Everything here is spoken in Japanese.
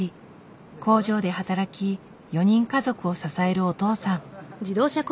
工場で働き４人家族を支えるお父さん。